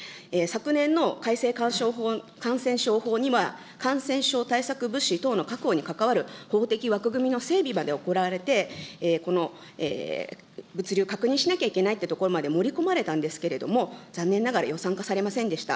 昨年の改正感染症法には感染症対策物資等の確保に係る的枠組みの整備まで行われて、この物流確認しなきゃいけないというところまで盛り込まれたんですけれども、残念ながら予算化されませんでした。